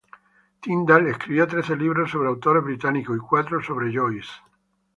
Tindall escribió trece libros sobre autores británicos, y cuatro sobre Joyce.